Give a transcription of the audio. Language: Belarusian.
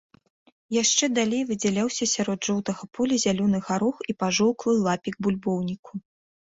Яшчэ далей выдзяляўся сярод жоўтага поля зялёны гарох і пажоўклы лапік бульбоўніку.